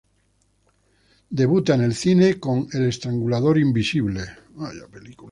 Debuta en el cine con "El Estrangulador Invisible".